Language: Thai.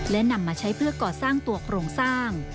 และนำมาใช้เพื่อก่อสร้างตัวโครงสร้าง